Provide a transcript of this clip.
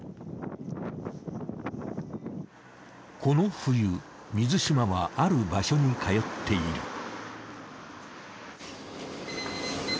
この冬水嶋はある場所に通っている。